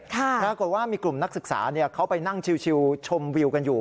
ปรากฏว่ามีกลุ่มนักศึกษาเขาไปนั่งชิวชมวิวกันอยู่